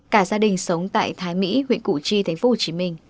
cả gia đình sống tại thái mỹ huyện củ chi tp hcm